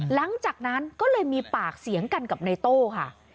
หลังจากนั้นก็เลยมีปากเสียงกันกับในโต้ค่ะ